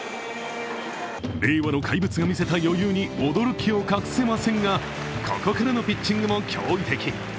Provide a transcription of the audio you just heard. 令和の怪物が見せた余裕に驚きを隠せませんがここからのピッチングも驚異的。